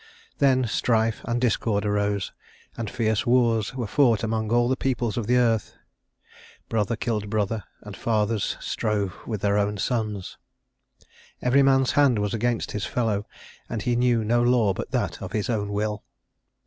Then strife and discord arose, and fierce wars were fought among all the peoples of the earth. Brother killed brother, and fathers strove with their own sons. Every man's hand was against his fellow, and he knew no law but that of his own will.